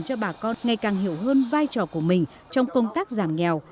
cho bà con ngày càng hiểu hơn vai trò của mình trong công tác giảm nghèo